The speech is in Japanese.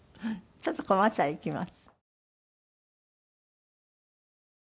ちょっとコマーシャルいきます。